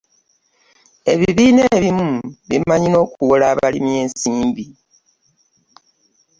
ebibiina ebimu bimanyi n'okuwola abalimi ensimbi.